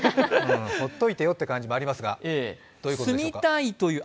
ほっといてよという感じもありますが、どういうことでしょうか？